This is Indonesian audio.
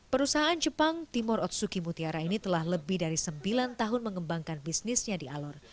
perusahaan jepang timur otsuki mutiara ini telah lebih dari sembilan tahun mengembangkan bisnisnya di alor